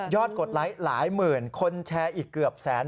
กดไลค์หลายหมื่นคนแชร์อีกเกือบแสน